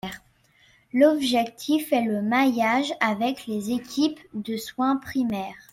L’objectif est le maillage avec les équipes de soin primaires.